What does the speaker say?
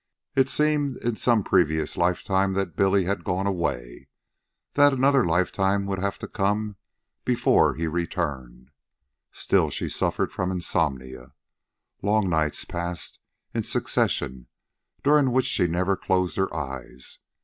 It seemed in some previous life time that Billy had gone away, that another life time would have to come before he returned. She still suffered from insomnia. Long nights passed in succession, during which she never closed her eyes.